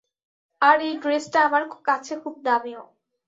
আর এই ড্রেসটা আমার কাছে খুব দামিও।